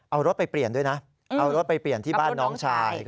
เอารถไปเปลี่ยนด้วยนะเอารถไปเปลี่ยนที่บ้านน้องชาย